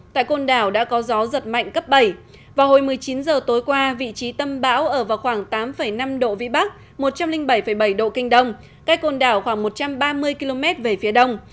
tại côn đảo đã có gió giật mạnh cấp bảy vào hồi một mươi chín h tối qua vị trí tâm bão ở vào khoảng tám năm độ vĩ bắc một trăm linh bảy bảy độ kinh đông cách côn đảo khoảng một trăm ba mươi km về phía đông